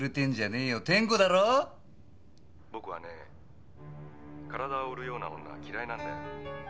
「僕はねぇ体を売るような女は嫌いなんだよ」